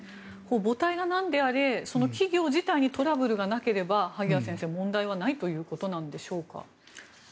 母体が何であれ、その企業自体にトラブルがなければ萩谷先生問題はないということでしょうか？